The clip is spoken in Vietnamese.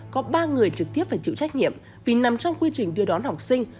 có ba người trực tiếp phải chịu trách nhiệm vì nằm trong quy trình đưa đón học sinh